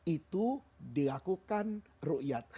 itu dilakukan ru'yat